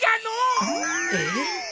えっ。